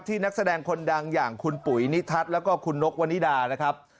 นักแสดงคนดังอย่างคุณปุ๋ยนิทัศน์แล้วก็คุณนกวนิดานะครับ